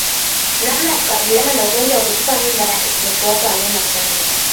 Namna ya kukabiliana na ugonjwa wa kutupa mimba ni kuwapa wanyama chanjo